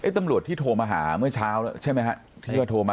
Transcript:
ตำรวจที่โทรมาหาเมื่อเช้าที่เราโทรมา